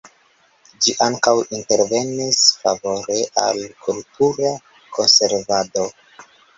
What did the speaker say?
Ĝi ankaŭ intervenis favore al kultura konservado.